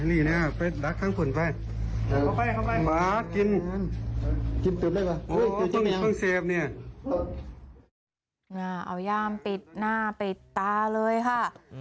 เอาย่ามปิดหน้าปิดตาเลยค่ะ